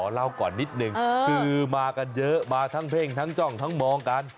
เล่าก่อนนิดนึงคือมากันเยอะมาทั้งเพ่งทั้งจ้องทั้งมองกัน